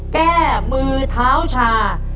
แก้มือเท้าชา